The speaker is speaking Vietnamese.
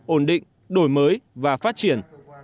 ổn định đổi mới và phát triển